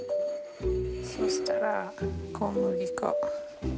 そしたら小麦粉。